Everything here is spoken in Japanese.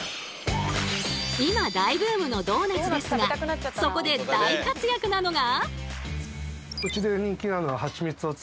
今大ブームのドーナツですがそこで大活躍なのが。